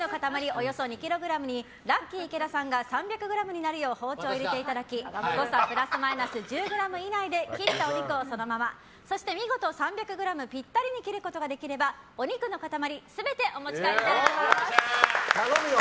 およそ２ｋｇにラッキィ池田さんが３００ｇになるよう包丁を入れていただき誤差プラスマイナス１０ｇ以内で切ったお肉をそのままそして見事３００ｇぴったりに切ることができればお肉の塊全て頼むよ！